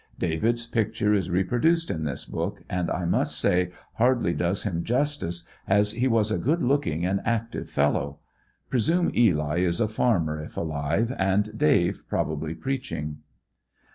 David's picture is reproduced in this book and I must say hardly does him justice as he was a good lookmg and ac tive fellow. Presume Eli is a farmer if alive, and "Dave" probably preaching.